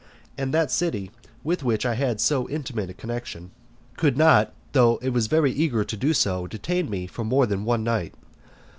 And that city, with which I had so intimate a connexion, could not, though it was very eager to do so, detain me more than one night.